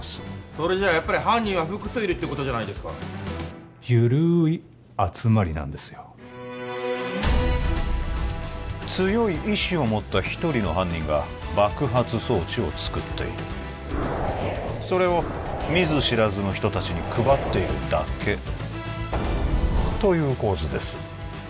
それじゃやっぱり犯人は複数いるってことじゃないですかゆるい集まりなんですよ強い意志を持った一人の犯人が爆発装置を作っているそれを見ず知らずの人たちに配っているだけという構図です